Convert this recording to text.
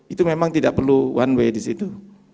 itu memang tidak perlu one way di situ